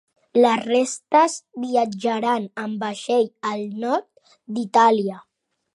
Les restes viatjaran amb vaixell al Nord d'Itàlia.